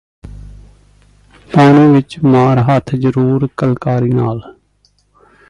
ਪਾਣੀ ਵਿੱਚ ਮਾਰ ਹੱਥ ਜਰੂਰ ਕਲਕਾਰੀ ਨਾਲ